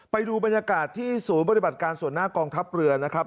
ไปดูบรรยากาศที่ศูนย์ปฏิบัติการส่วนหน้ากองทัพเรือนะครับ